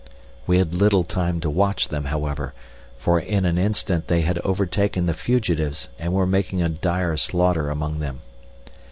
We had little time to watch them, however, for in an instant they had overtaken the fugitives and were making a dire slaughter among them.